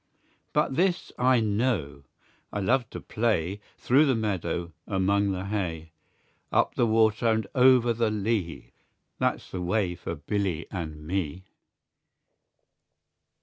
But this I know, I love to play, Through the meadow, among the hay; Up the water and o'er the lea, That's the way for Billy and me.